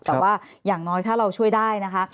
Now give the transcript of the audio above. แต่ว่าอย่างน้อยถ้าเราช่วยได้นะคะ